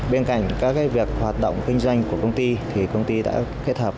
bên cạnh các việc hoạt động kinh doanh của công ty thì công ty đã kết hợp